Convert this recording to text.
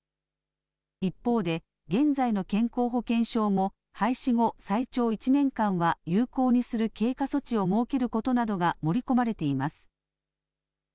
一方で現在の健康保険証も廃止後最長１年間は有効にする経過措置を設けることなどが盛り込まれています。